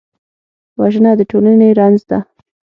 وژنه د ټولنې رنځ ده